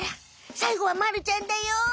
さいごはまるちゃんだよ！